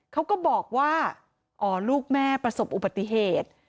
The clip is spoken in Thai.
เขาก็บอกว่าอ๋อลูกแม่ประสบอุบัติเหตุ